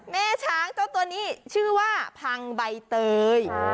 แม่ช้างเจ้าตัวนี้ชื่อว่าพังใบเตย